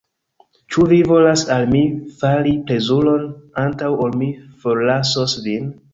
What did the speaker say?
Ĉu vi volas al mi fari plezuron, antaŭ ol mi forlasos vin?